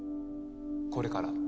これから。